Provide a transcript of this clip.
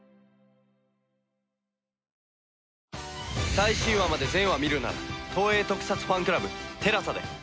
最新話まで全話見るなら東映特撮ファンクラブＴＥＬＡＳＡで。